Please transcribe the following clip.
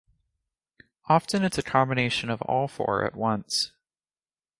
Often it's a combination of all four at once.